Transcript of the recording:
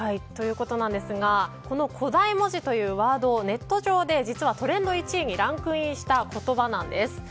この古代文字というワードネット上で実はトレンド１位にランクインした言葉なんです。